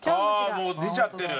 ああもう出ちゃってる。